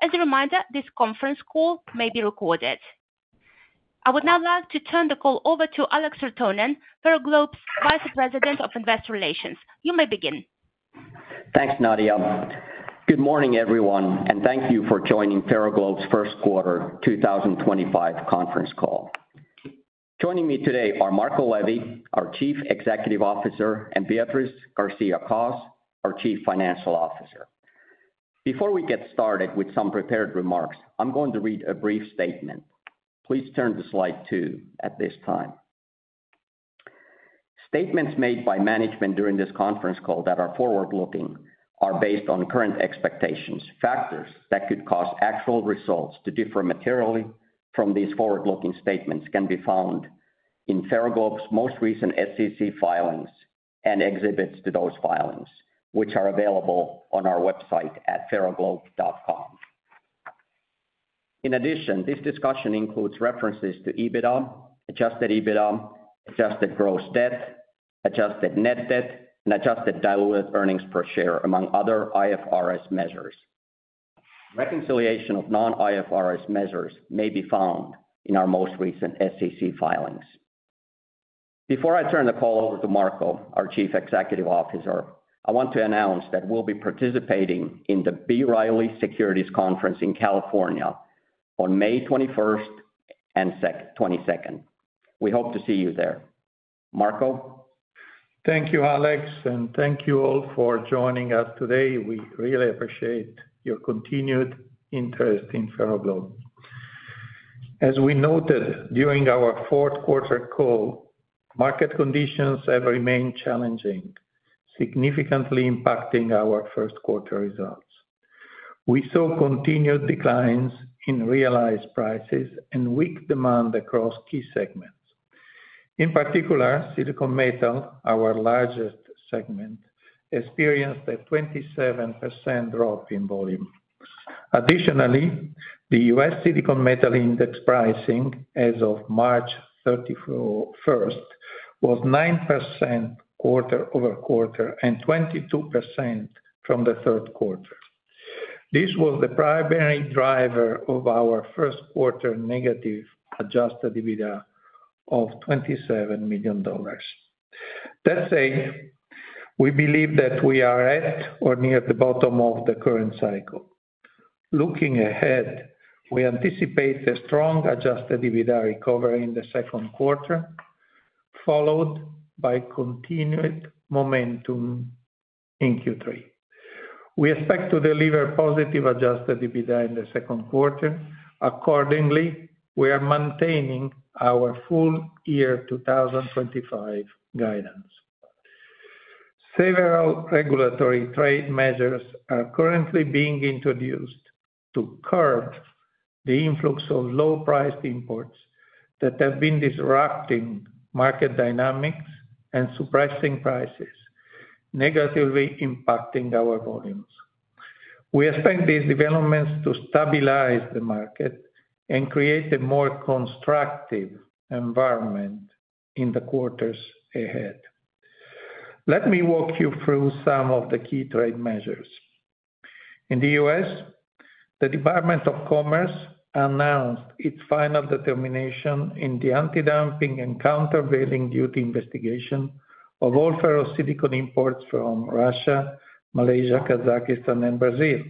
As a reminder, this conference call may be recorded. I would now like to turn the call over to Alex Rotonen, Ferroglobe's Vice President of Investor Relations. You may begin. Thanks, Nadia. Good morning, everyone, and thank you for joining Ferroglobe's first quarter 2025 conference call. Joining me today are Marco Levi, our Chief Executive Officer, and Beatriz García-Cos, our Chief Financial Officer. Before we get started with some prepared remarks, I'm going to read a brief statement. Please turn to slide two at this time. Statements made by management during this conference call that are forward-looking are based on current expectations. Factors that could cause actual results to differ materially from these forward-looking statements can be found in Ferroglobe's most recent SEC filings and exhibits to those filings, which are available on our website at ferroglobe.com. In addition, this discussion includes references to EBITDA, adjusted EBITDA, adjusted gross debt, adjusted net debt, and adjusted diluted earnings per share, among other IFRS measures. Reconciliation of non-IFRS measures may be found in our most recent SEC filings. Before I turn the call over to Marco, our Chief Executive Officer, I want to announce that we'll be participating in the B. Riley Securities conference in California on May 21 and 22. We hope to see you there. Marco? Thank you, Alex, and thank you all for joining us today. We really appreciate your continued interest in Ferroglobe. As we noted during our fourth quarter call, market conditions have remained challenging, significantly impacting our first quarter results. We saw continued declines in realized prices and weak demand across key segments. In particular, silicon metal, our largest segment, experienced a 27% drop in volume. Additionally, the U.S. Silicon Metal Index pricing as of March 31st was 9% quarter-over-quarter and 22% from the third quarter. This was the primary driver of our first quarter negative adjusted EBITDA of $27 million. That said, we believe that we are at or near the bottom of the current cycle. Looking ahead, we anticipate a strong adjusted EBITDA recovery in the second quarter, followed by continued momentum in Q3. We expect to deliver positive adjusted EBITDA in the second quarter. Accordingly, we are maintaining our full year 2025 guidance. Several regulatory trade measures are currently being introduced to curb the influx of low-priced imports that have been disrupting market dynamics and suppressing prices, negatively impacting our volumes. We expect these developments to stabilize the market and create a more constructive environment in the quarters ahead. Let me walk you through some of the key trade measures. In the U.S., the Department of Commerce announced its final determination in the anti-dumping and countervailing duty investigation of all ferro-silicon imports from Russia, Malaysia, Kazakhstan, and Brazil,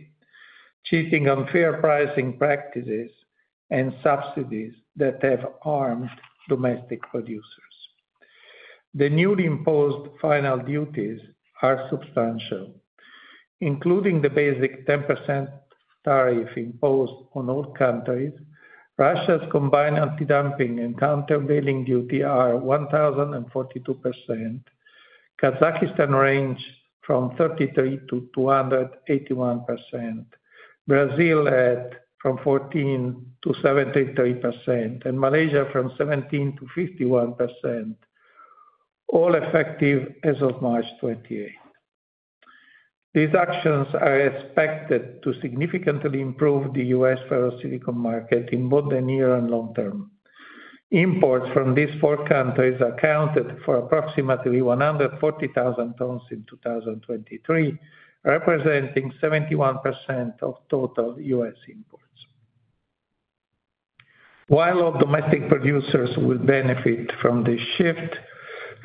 cheating unfair pricing practices and subsidies that have harmed domestic producers. The newly imposed final duties are substantial, including the basic 10% tariff imposed on all countries. Russia's combined anti-dumping and countervailing duty are 1,042%, Kazakhstan ranged from 33%-281%, Brazil from 14%-73%, and Malaysia from 17%-51%, all effective as of March 28th. These actions are expected to significantly improve the U.S. ferro-silicon market in both the near and long term. Imports from these four countries accounted for approximately 140,000 tons in 2023, representing 71% of total U.S. imports. While all domestic producers will benefit from this shift,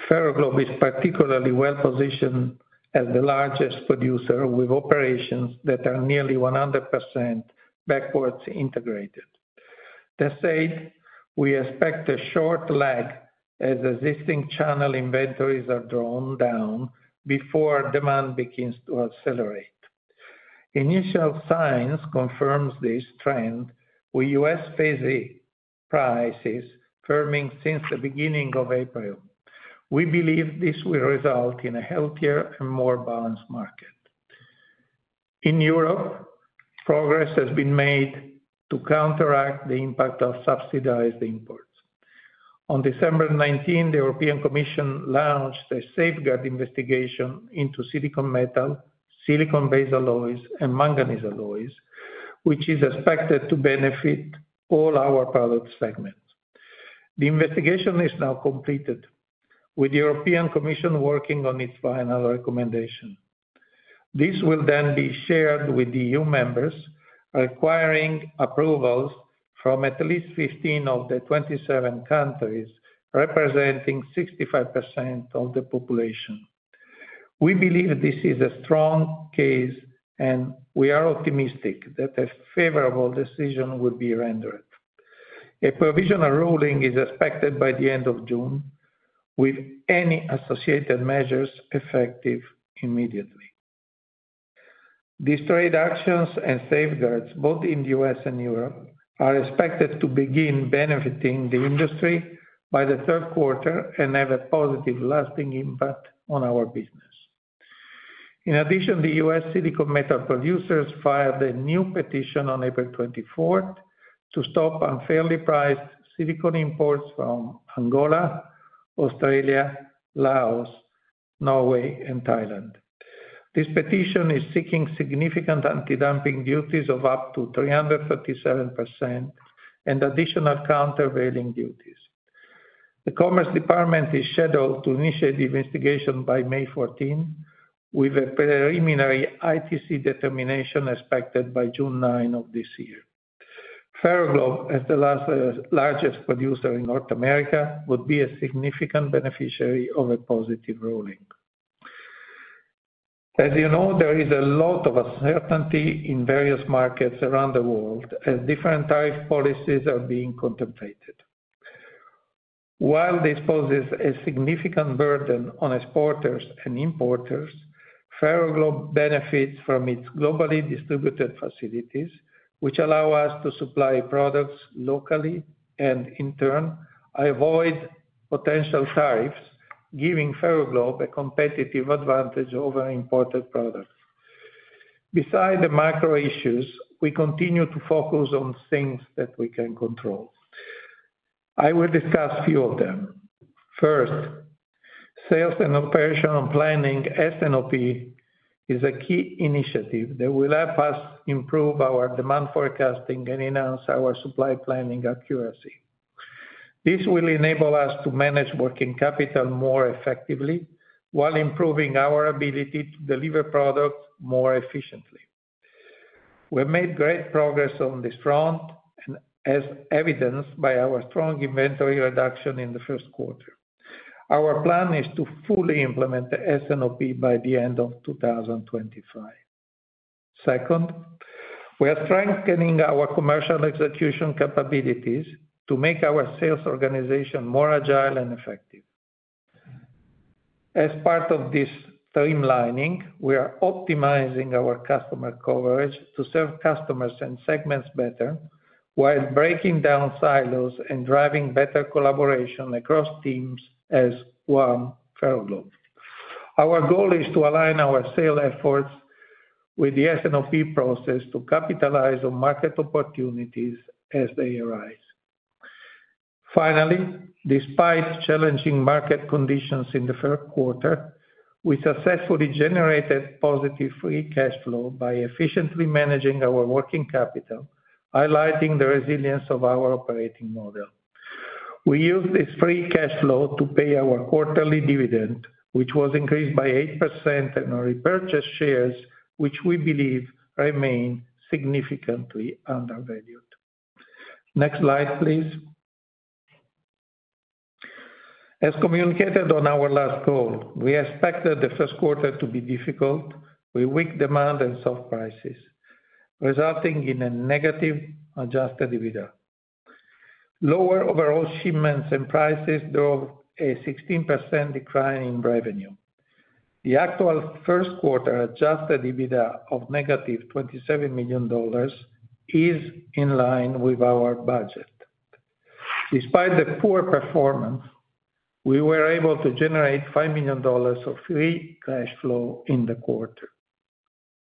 Ferroglobe is particularly well positioned as the largest producer with operations that are nearly 100% backwards integrated. That said, we expect a short lag as existing channel inventories are drawn down before demand begins to accelerate. Initial signs confirm this trend with U.S. phase A prices firming since the beginning of April. We believe this will result in a healthier and more balanced market. In Europe, progress has been made to counteract the impact of subsidized imports. On December 19, the European Commission launched a safeguard investigation into silicon metal, silicon-based alloys, and manganese-based alloys, which is expected to benefit all our product segments. The investigation is now completed, with the European Commission working on its final recommendation. This will then be shared with the EU members, requiring approvals from at least 15 of the 27 countries, representing 65% of the population. We believe this is a strong case, and we are optimistic that a favorable decision will be rendered. A provisional ruling is expected by the end of June, with any associated measures effective immediately. These trade actions and safeguards, both in the U.S. and Europe, are expected to begin benefiting the industry by the third quarter and have a positive lasting impact on our business. In addition, the U.S. silicon metal producers filed a new petition on April 24th to stop unfairly priced silicon imports from Angola, Australia, Laos, Norway, and Thailand. This petition is seeking significant anti-dumping duties of up to 337% and additional countervailing duties. The Commerce Department is scheduled to initiate the investigation by May 14th, with a preliminary ITC determination expected by June 9 of this year. Ferroglobe, as the largest producer in North America, would be a significant beneficiary of a positive ruling. As you know, there is a lot of uncertainty in various markets around the world as different tariff policies are being contemplated. While this poses a significant burden on exporters and importers, Ferroglobe benefits from its globally distributed facilities, which allow us to supply products locally and, in turn, avoid potential tariffs, giving Ferroglobe a competitive advantage over imported products. Beside the macro issues, we continue to focus on things that we can control. I will discuss a few of them. First, sales and operational planning (S&OP) is a key initiative that will help us improve our demand forecasting and enhance our supply planning accuracy. This will enable us to manage working capital more effectively while improving our ability to deliver products more efficiently. We have made great progress on this front, as evidenced by our strong inventory reduction in the first quarter. Our plan is to fully implement the S&OP by the end of 2025. Second, we are strengthening our commercial execution capabilities to make our sales organization more agile and effective. As part of this streamlining, we are optimizing our customer coverage to serve customers and segments better while breaking down silos and driving better collaboration across teams as one Ferroglobe. Our goal is to align our sale efforts with the S&OP process to capitalize on market opportunities as they arise. Finally, despite challenging market conditions in the third quarter, we successfully generated positive free cash flow by efficiently managing our working capital, highlighting the resilience of our operating model. We used this free cash flow to pay our quarterly dividend, which was increased by 8%, and our repurchased shares, which we believe remain significantly undervalued. Next slide, please. As communicated on our last call, we expected the first quarter to be difficult with weak demand and soft prices, resulting in a negative adjusted EBITDA. Lower overall shipments and prices drove a 16% decline in revenue. The actual first quarter adjusted EBITDA of -$27 million is in line with our budget. Despite the poor performance, we were able to generate $5 million of free cash flow in the quarter.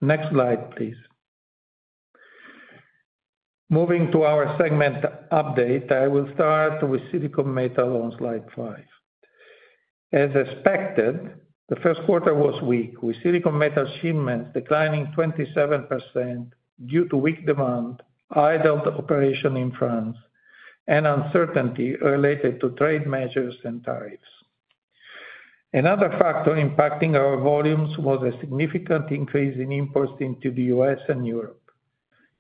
Next slide, please. Moving to our segment update, I will start with silicon metal on slide five. As expected, the first quarter was weak, with silicon metal shipments declining 27% due to weak demand, idled operation in France, and uncertainty related to trade measures and tariffs. Another factor impacting our volumes was a significant increase in imports into the U.S. and Europe.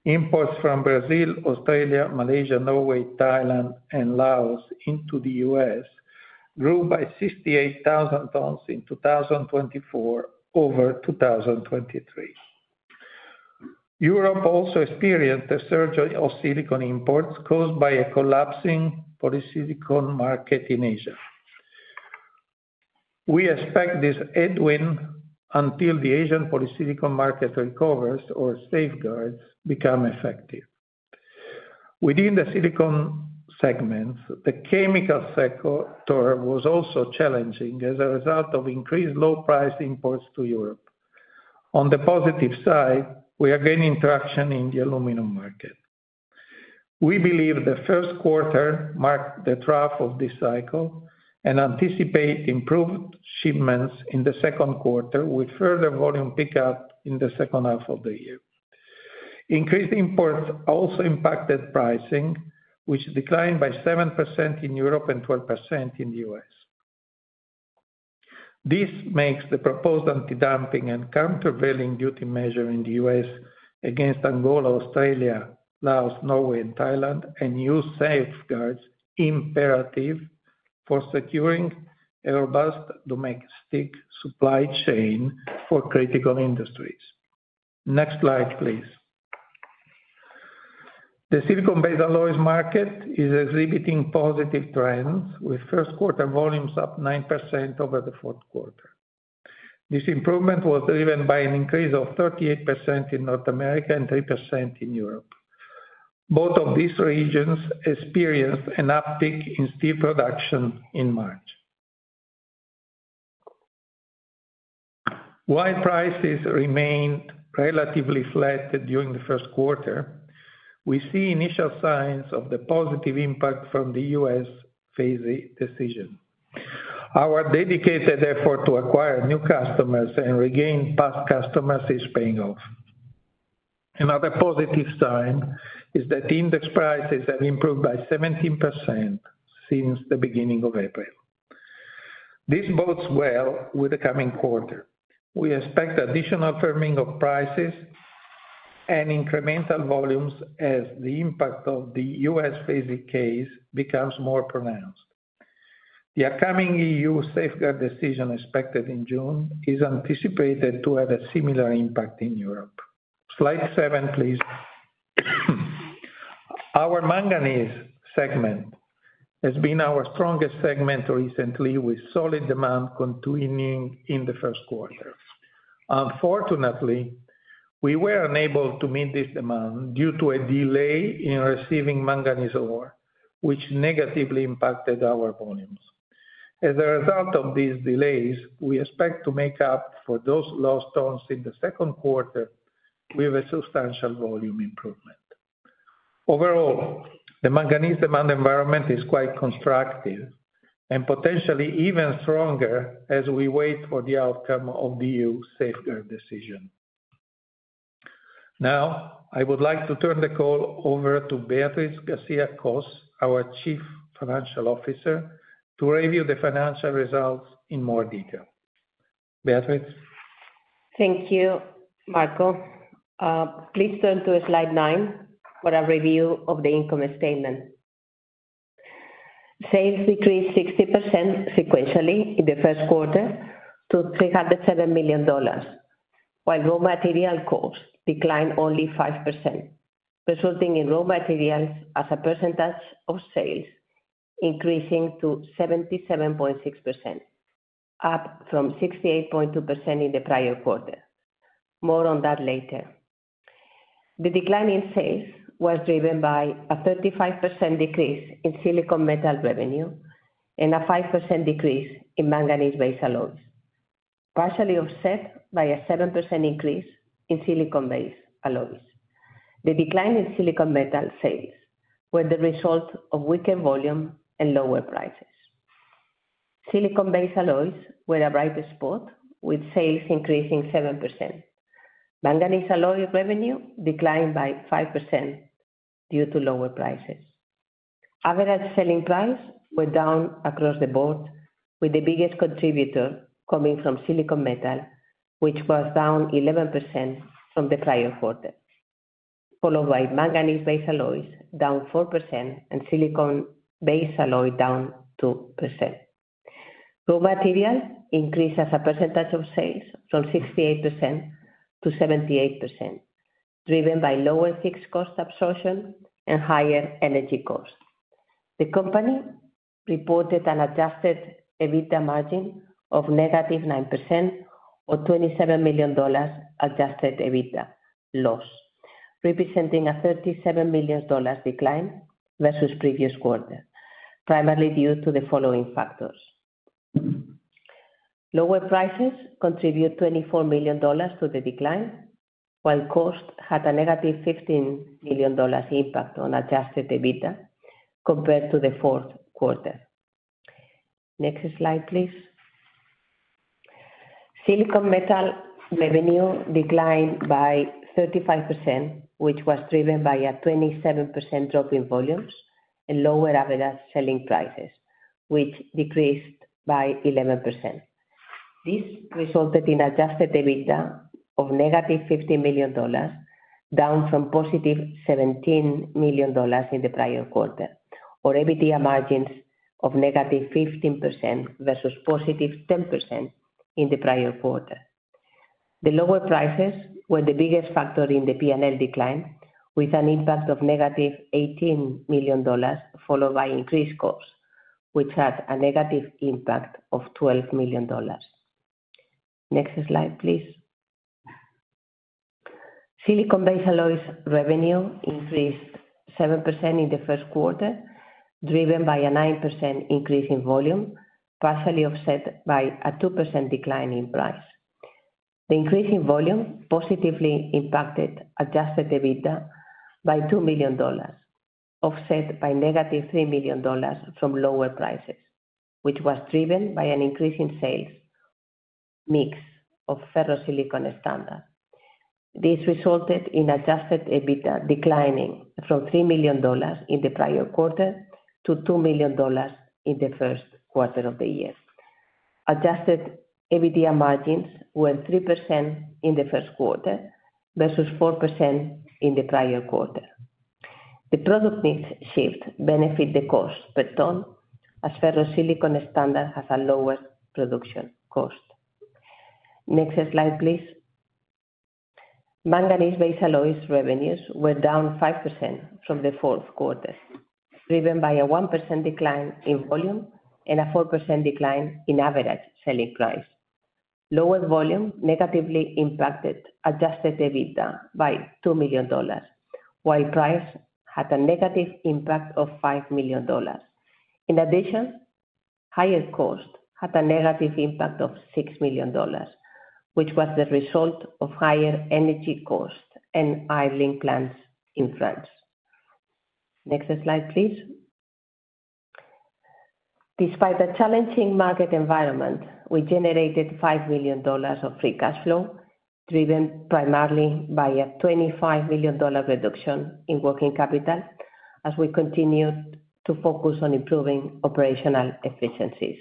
Imports from Brazil, Australia, Malaysia, Norway, Thailand, and Laos into the U.S. grew by 68,000 tons in 2024 over 2023. Europe also experienced a surge of silicon imports caused by a collapsing polysilicon market in Asia. We expect this headwind until the Asian polysilicon market recovers or safeguards becomes effective. Within the silicon segments, the chemical sector was also challenging as a result of increased low-priced imports to Europe. On the positive side, we are gaining traction in the aluminum market. We believe the first quarter marked the trough of this cycle and anticipate improved shipments in the second quarter, with further volume pickup in the second half of the year. Increased imports also impacted pricing, which declined by 7% in Europe and 12% in the U.S. This makes the proposed anti-dumping and countervailing duty measure in the U.S. against Angola, Australia, Laos, Norway, and Thailand, and new safeguards imperative for securing a robust domestic supply chain for critical industries. Next slide, please. The silicon-based alloys market is exhibiting positive trends, with first quarter volumes up 9% over the fourth quarter. This improvement was driven by an increase of 38% in North America and 3% in Europe. Both of these regions experienced an uptick in steel production in March. While prices remained relatively flat during the first quarter, we see initial signs of the positive impact from the U.S. phase A decision. Our dedicated effort to acquire new customers and regain past customers is paying off. Another positive sign is that index prices have improved by 17% since the beginning of April. This bodes well with the coming quarter. We expect additional firming of prices and incremental volumes as the impact of the U.S. phase A case becomes more pronounced. The upcoming EU safeguard decision expected in June is anticipated to have a similar impact in Europe. Slide seven, please. Our manganese segment has been our strongest segment recently, with solid demand continuing in the first quarter. Unfortunately, we were unable to meet this demand due to a delay in receiving manganese ore, which negatively impacted our volumes. As a result of these delays, we expect to make up for those lost tons in the second quarter with a substantial volume improvement. Overall, the manganese demand environment is quite constructive and potentially even stronger as we wait for the outcome of the EU safeguard decision. Now, I would like to turn the call over to Beatriz García-Cos, our Chief Financial Officer, to review the financial results in more detail. Beatriz. Thank you, Marco. Please turn to slide nine for a review of the incoming statement. Sales decreased 60% sequentially in the first quarter to $307 million, while raw material costs declined only 5%, resulting in raw materials as a percentage of sales increasing to 77.6%, up from 68.2% in the prior quarter. More on that later. The decline in sales was driven by a 35% decrease in silicon metal revenue and a 5% decrease in manganese-based alloys, partially offset by a 7% increase in silicon-based alloys. The decline in silicon metal sales was the result of weaker volume and lower prices. Silicon-based alloys were a bright spot, with sales increasing 7%. Manganese alloy revenue declined by 5% due to lower prices. Average selling price went down across the board, with the biggest contributor coming from silicon metal, which was down 11% from the prior quarter, followed by manganese-based alloys down 4% and silicon-based alloys down 2%. Raw material increased as a percentage of sales from 68%-78%, driven by lower fixed cost absorption and higher energy costs. The company reported an adjusted EBITDA margin of -9% or $27 million adjusted EBITDA loss, representing a $37 million decline versus the previous quarter, primarily due to the following factors. Lower prices contributed $24 million to the decline, while costs had a -$15 million impact on adjusted EBITDA compared to the fourth quarter. Next slide, please. Silicon metal revenue declined by 35%, which was driven by a 27% drop in volumes and lower average selling prices, which decreased by 11%. This resulted in adjusted EBITDA of -$15 million, down from +$17 million in the prior quarter, or EBITDA margins of -15% versus +10% in the prior quarter. The lower prices were the biggest factor in the P&L decline, with an impact of -$18 million, followed by increased costs, which had a negative impact of $12 million. Next slide, please. Silicon-based alloys revenue increased 7% in the first quarter, driven by a 9% increase in volume, partially offset by a 2% decline in price. The increase in volume positively impacted adjusted EBITDA by $2 million, offset by -$3 million from lower prices, which was driven by an increase in sales mix of ferro-silicon standards. This resulted in adjusted EBITDA declining from $3 million in the prior quarter to $2 million in the first quarter of the year. Adjusted EBITDA margins were 3% in the first quarter versus 4% in the prior quarter. The product mix shift benefited the cost per ton, as ferro-silicon standard has a lower production cost. Next slide, please. Manganese-based alloys revenues were down 5% from the fourth quarter, driven by a 1% decline in volume and a 4% decline in average selling price. Lower volume negatively impacted adjusted EBITDA by $2 million, while price had a negative impact of $5 million. In addition, higher cost had a negative impact of $6 million, which was the result of higher energy costs and idling plants in France. Next slide, please. Despite the challenging market environment, we generated $5 million of free cash flow, driven primarily by a $25 million reduction in working capital, as we continued to focus on improving operational efficiencies.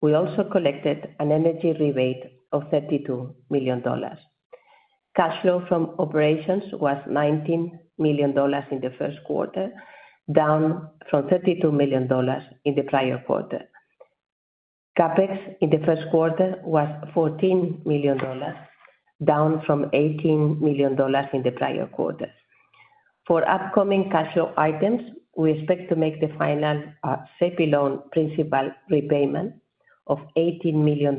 We also collected an energy rebate of $32 million. Cash flow from operations was $19 million in the first quarter, down from $32 million in the prior quarter. CapEx in the first quarter was $14 million, down from $18 million in the prior quarter. For upcoming cash flow items, we expect to make the final SEPI loan principal repayment of $18 million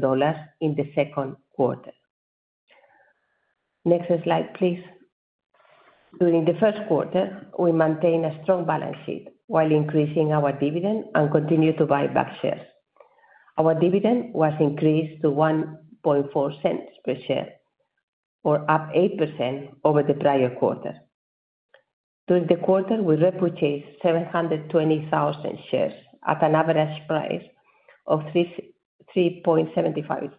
in the second quarter. Next slide, please. During the first quarter, we maintained a strong balance sheet while increasing our dividend and continued to buy back shares. Our dividend was increased to $0.014 per share, or up 8% over the prior quarter. During the quarter, we repurchased 720,000 shares at an average price of $3.75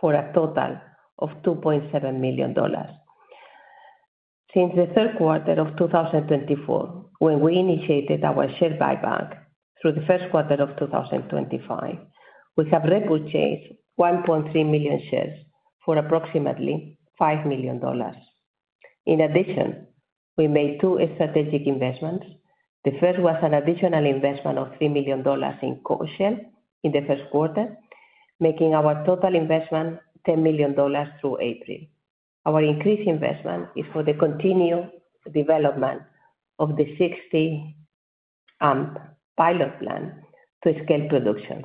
for a total of $2.7 million. Since the third quarter of 2024, when we initiated our share buyback through the first quarter of 2025, we have repurchased $1.3 million shares for approximately $5 million. In addition, we made two strategic investments. The first was an additional investment of $3 million in Coreshell in the first quarter, making our total investment $10 million through April. Our increased investment is for the continued development of the 60-amp pilot plant to scale production.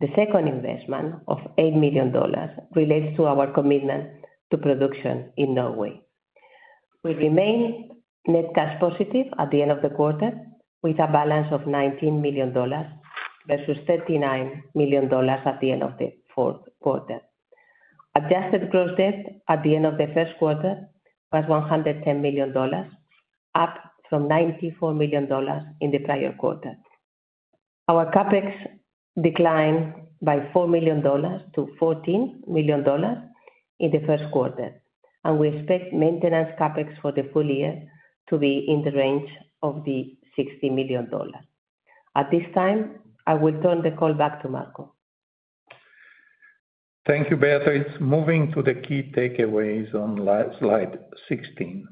The second investment of $8 million relates to our commitment to production in Norway. We remained net cash positive at the end of the quarter, with a balance of $19 million versus $39 million at the end of the fourth quarter. Adjusted gross debt at the end of the first quarter was $110 million, up from $94 million in the prior quarter. Our CapEx declined by $4 million to $14 million in the first quarter, and we expect maintenance CapEx for the full year to be in the range of $60 million. At this time, I will turn the call back to Marco. Thank you, Beatriz. Moving to the key takeaways on slide 16.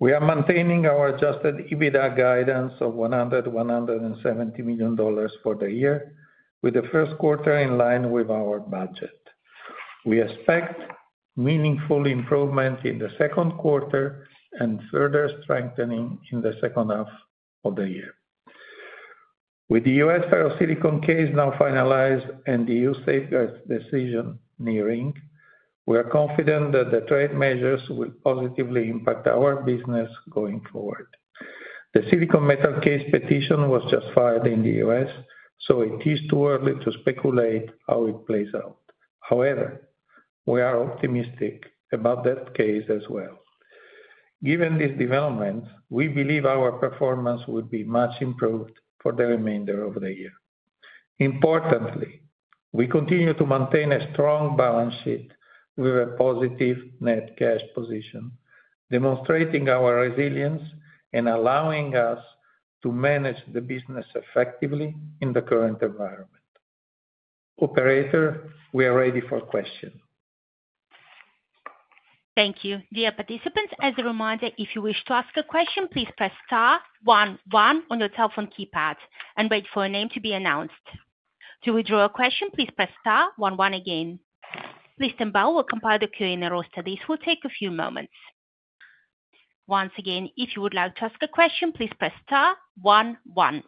We are maintaining our adjusted EBITDA guidance of $100 million, $170 million for the year, with the first quarter in line with our budget. We expect meaningful improvement in the second quarter and further strengthening in the second half of the year. With the U.S. ferro-silicon case now finalized and the EU safeguards decision nearing, we are confident that the trade measures will positively impact our business going forward. The silicon metal case petition was just filed in the U.S., so it is too early to speculate how it plays out. However, we are optimistic about that case as well. Given these developments, we believe our performance will be much improved for the remainder of the year. Importantly, we continue to maintain a strong balance sheet with a positive net cash position, demonstrating our resilience and allowing us to manage the business effectively in the current environment. Operator, we are ready for questions. Thank you. Dear participants, as a reminder, if you wish to ask a question, please press star one one on your telephone keypad and wait for a name to be announced. To withdraw a question, please press star one one again. Please stand by while we compile the Q&A roster. This will take a few moments. Once again, if you would like to ask a question, please press star one one.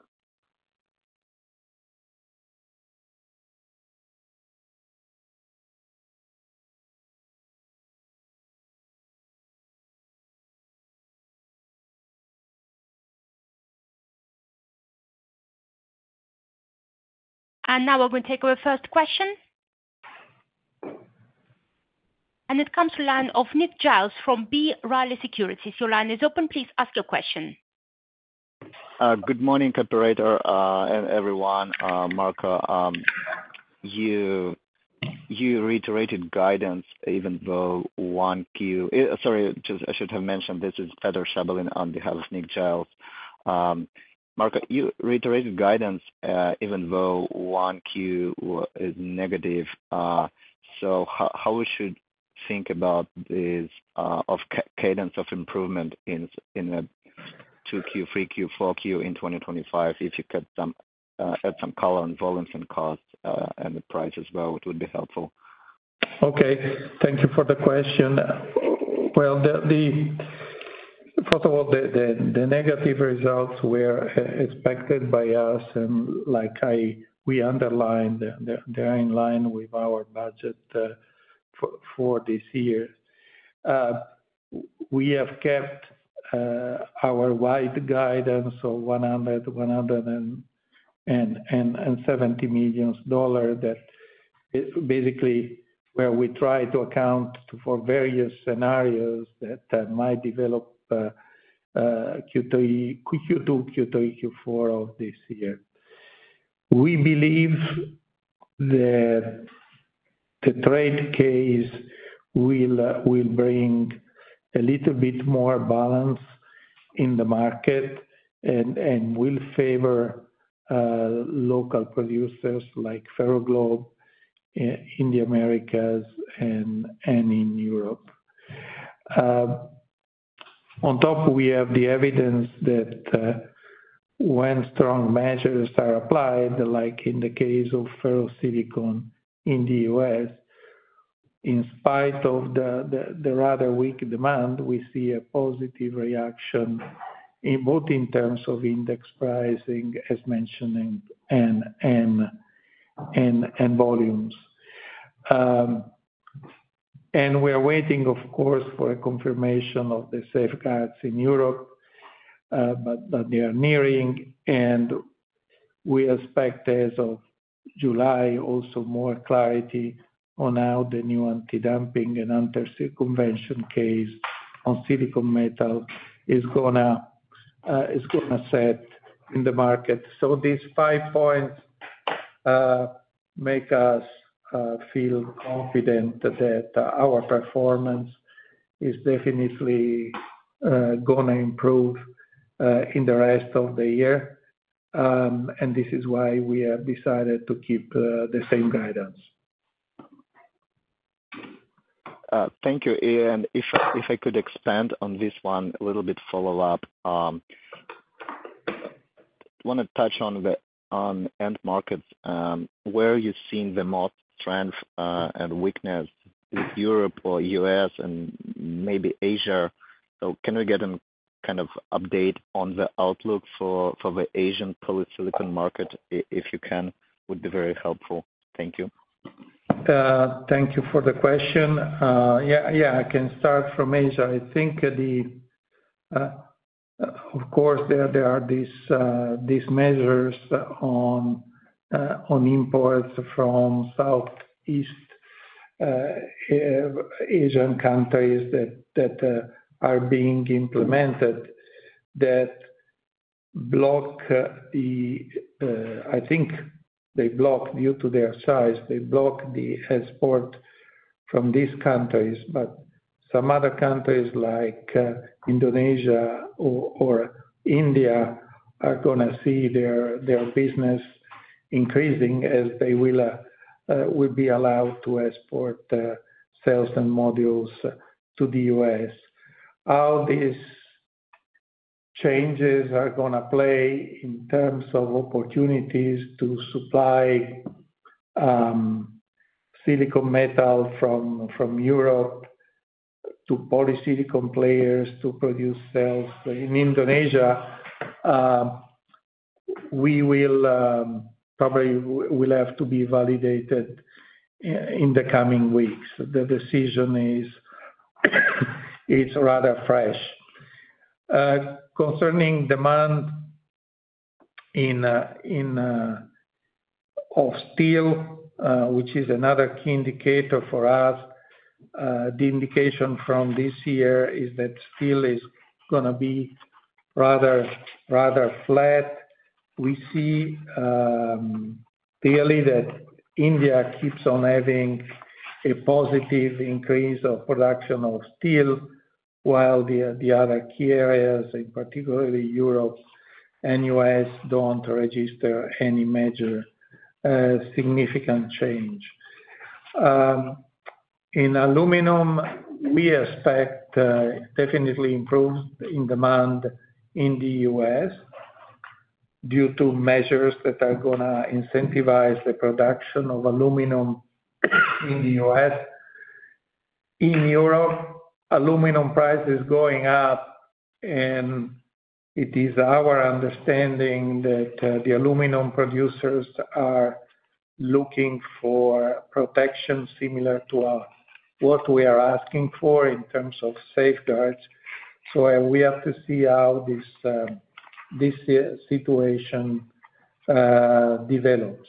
We are going to take our first question. It comes from the line of Nick Giles from B. Riley Securities. Your line is open. Please ask your question. Good morning, operator, and everyone. Marco, you reiterated guidance, even though 1Q—sorry, I should have mentioned this is Fedor Shabalin on behalf of Nick Giles. Marco, you reiterated guidance, even though 1Q is negative. How should we think about this cadence of improvement in 2Q, 3Q, 4Q in 2025? If you could add some color on volumes and costs and the prices as well, it would be helpful. Okay. Thank you for the question. First of all, the negative results were expected by us, and we underlined they are in line with our budget for this year. We have kept our wide guidance of $100 million, $170 million that basically is where we try to account for various scenarios that might develop Q2, Q3, Q4 of this year. We believe the trade case will bring a little bit more balance in the market and will favor local producers like Ferroglobe in the Americas and in Europe. On top, we have the evidence that when strong measures are applied, like in the case of ferro-silicon in the U.S., in spite of the rather weak demand, we see a positive reaction both in terms of index pricing, as mentioned, and volumes. We are waiting, of course, for a confirmation of the safeguards in Europe, but they are nearing, and we expect as of July also more clarity on how the new anti-dumping and anti-circumvention case on silicon metal is going to set in the market. These five points make us feel confident that our performance is definitely going to improve in the rest of the year, and this is why we have decided to keep the same guidance. Thank you. If I could expand on this one a little bit, follow-up, I want to touch on end markets. Where are you seeing the most strength and weakness? Is it Europe or U.S. and maybe Asia? Can we get a kind of update on the outlook for the Asian polysilicon market? If you can, it would be very helpful. Thank you. Thank you for the question. Yeah, I can start from Asia. I think, of course, there are these measures on imports from Southeast Asian countries that are being implemented that block the—I think they block due to their size. They block the export from these countries, but some other countries like Indonesia or India are going to see their business increasing as they will be allowed to export cells and modules to the U.S. How these changes are going to play in terms of opportunities to supply silicon metal from Europe to polysilicon players to produce cells in Indonesia, we will probably have to be validated in the coming weeks. The decision is rather fresh. Concerning demand of steel, which is another key indicator for us, the indication from this year is that steel is going to be rather flat. We see clearly that India keeps on having a positive increase of production of steel, while the other key areas, in particular Europe and the U.S., do not register any major significant change. In aluminum, we expect definitely improved demand in the U.S. due to measures that are going to incentivize the production of aluminum in the U.S. In Europe, aluminum price is going up, and it is our understanding that the aluminum producers are looking for protection similar to what we are asking for in terms of safeguards. We have to see how this situation develops.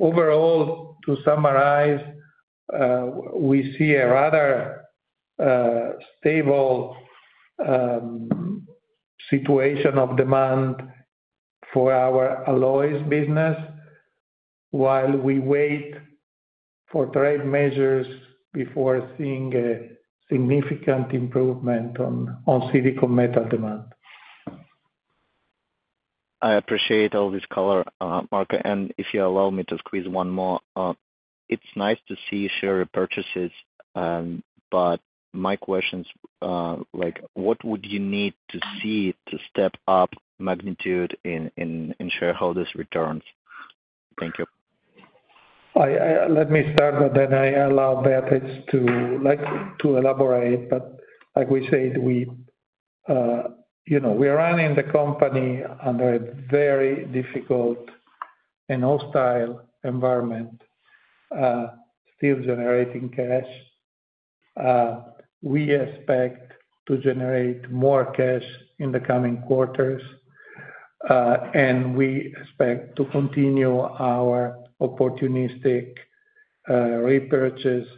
Overall, to summarize, we see a rather stable situation of demand for our alloys business while we wait for trade measures before seeing a significant improvement on silicon metal demand. I appreciate all this color, Marco. If you allow me to squeeze one more, it's nice to see share purchases, but my question's like, what would you need to see to step up magnitude in shareholders' returns? Thank you. Let me start, but then I allow Beatriz to elaborate. Like we said, we are running the company under a very difficult and hostile environment, still generating cash. We expect to generate more cash in the coming quarters, and we expect to continue our opportunistic repurchase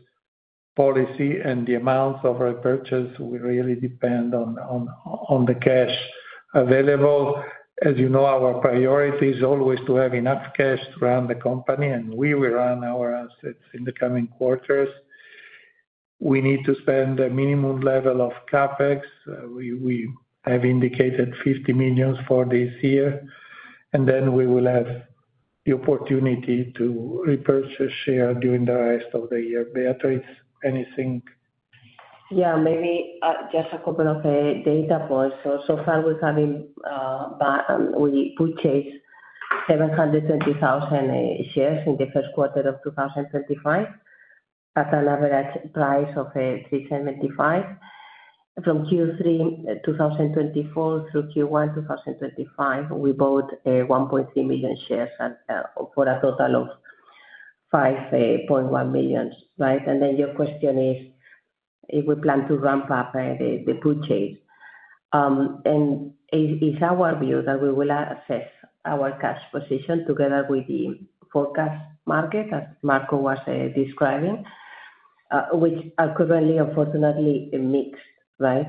policy. The amounts of repurchase really depend on the cash available. As you know, our priority is always to have enough cash to run the company, and we will run our assets in the coming quarters. We need to spend a minimum level of CapEx.We have indicated $50 million for this year, and then we will have the opportunity to repurchase share during the rest of the year. Beatriz? Anything? Yeah, maybe just a couple of data points. So far, we purchased $720,000 shares in the first quarter of 2025 at an average price of $3.75. From Q3 2024 through Q1 2025, we bought $1.3 million shares for a total of $5.1 million. Right? And then your question is if we plan to ramp up the purchase. It is our view that we will assess our cash position together with the forecast market, as Marco was describing, which are currently, unfortunately, mixed. Right?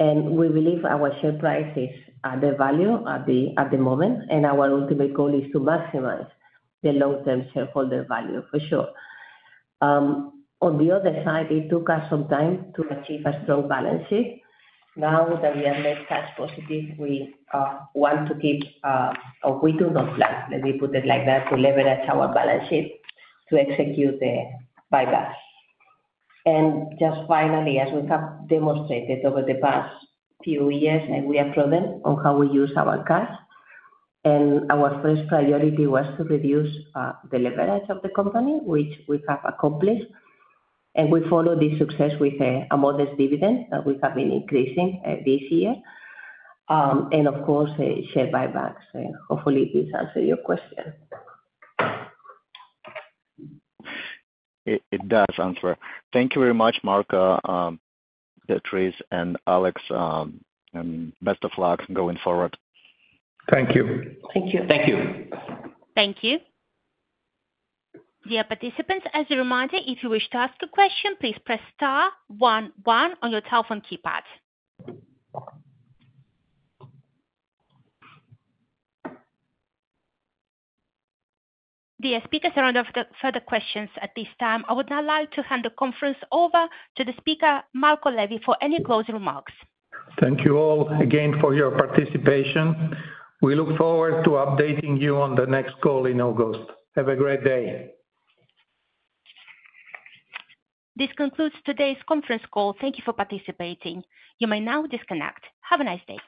We believe our share prices are the value at the moment, and our ultimate goal is to maximize the long-term shareholder value, for sure. On the other side, it took us some time to achieve a strong balance sheet. Now that we have made cash positive, we want to keep—or we do not plan, let me put it like that—to leverage our balance sheet to execute the buyback. Just finally, as we have demonstrated over the past few years, we have proven how we use our cash. Our first priority was to reduce the leverage of the company, which we have accomplished. We followed this success with a modest dividend that we have been increasing this year. Of course, share buybacks. Hopefully, this answers your question. It does answer. Thank you very much, Marco, Beatriz, and Alex. Best of luck going forward. Thank you. Thank you. Thank you. Thank you. Dear participants, as a reminder, if you wish to ask a question, please press star one one on your telephone keypad. Dear speakers, there are no further questions at this time. I would now like to hand the conference over to the speaker, Marco Levi, for any closing remarks. Thank you all again for your participation. We look forward to updating you on the next call in August. Have a great day. This concludes today's conference call. Thank you for participating. You may now disconnect. Have a nice day.